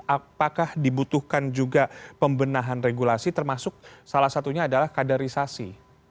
apakah dibutuhkan juga pembenahan regulasi termasuk salah satunya adalah kadarisasi